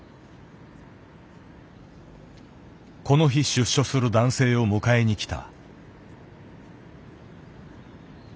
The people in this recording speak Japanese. この日出所する男性を迎えにきた。